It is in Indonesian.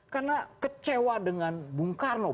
karena kecewa dengan bung karno